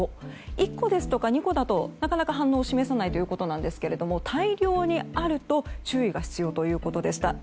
１個ですとか２個だとなかなか反応を示さないですけど大量にあると注意が必要ということでした。